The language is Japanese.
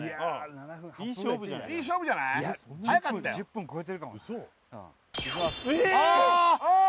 １０分超えてるかもなあー！